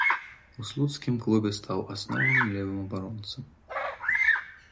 У слуцкім клубе стаў асноўным левым абаронцам.